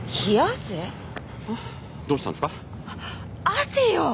汗よ！